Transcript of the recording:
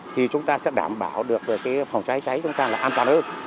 thì chúng ta sẽ đảm bảo được phòng cháy cháy chúng ta là an toàn hơn